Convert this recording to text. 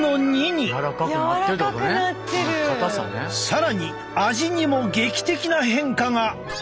更に味にも劇的な変化が！